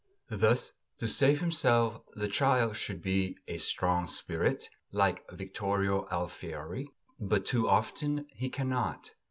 Thus, to save himself, the child should be a strong spirit, like Vittorio Alfieri; but too often he cannot.